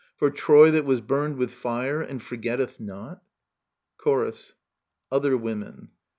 For Troy, that was burned with fire And forgetteth not i Chorus. Other Women.